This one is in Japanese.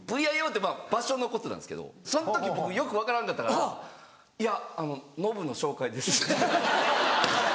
ＶＩＯって場所のことなんですけどその時僕よく分からんかったから「いやノブの紹介です」って。